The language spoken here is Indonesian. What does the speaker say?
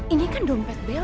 ini kan dompet bella